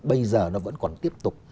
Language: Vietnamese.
bây giờ nó vẫn còn tiếp tục